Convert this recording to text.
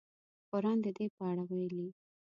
قران د دې په اړه ویلي.